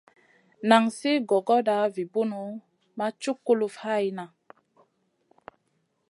Nan sli gogoda vi bunu ma cuk kulufn hayna.